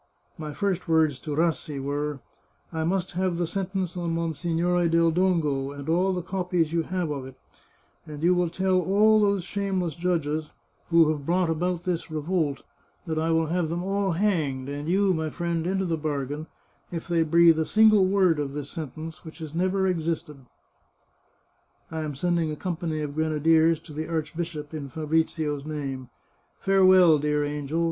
My first words to Rassi were, ' I must have the sentence on Monsignore del Dongo, and all the copies you have of it, and you will tell all those shameless judges, who have brought about this revolt, that I will have them all hanged, and you, my friend, into the bargain, if they breathe a single word of this sentence, which has never ex 435 The Chartreuse of Parma isted.' I am sending a company of grenadiers to the arch bishop, in Fabrizio's name. Farewell, dear angel.